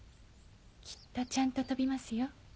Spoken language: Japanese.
きっとちゃんと飛びますよ。